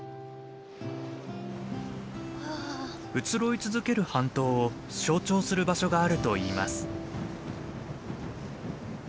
移ろい続ける半島を象徴する場所があるといいます。